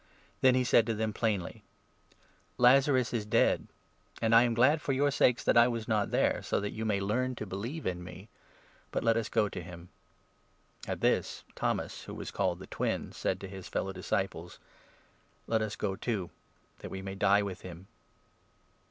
Then he said to them 14 plainly :" Lazarus is dead ; and I am glad for your sakes that I was 15 not there, so that you may learn to believe in me. But let us go to him." At this, Thomas, who was called 'The Twin,' said to his 16 fellow disciples :" Let us go too, so that we may die with him."